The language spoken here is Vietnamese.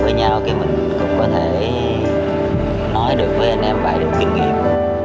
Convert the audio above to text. với nhau thì mình cũng có thể nói được với anh em bài được kinh nghiệm